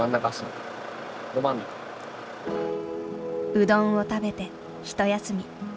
うどんを食べてひと休み。